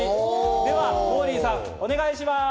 モーリーさん、お願いします。